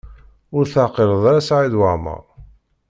Ur teɛqileḍ ara Saɛid Waɛmaṛ?